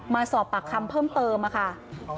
มาสอบปากคำเพิ่มเติมค่ะ